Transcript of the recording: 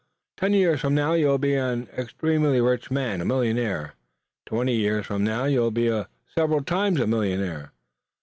Ten years from now you'll be an extremely rich man, a millionaire, twenty years from now you'll be several times a millionaire.